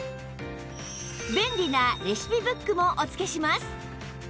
便利なレシピブックもお付けします